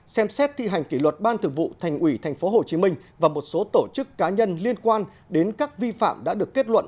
ba xem xét thi hành kỷ luật ban thực vụ thành ủy tp hcm và một số tổ chức cá nhân liên quan đến các vi phạm đã được kết luận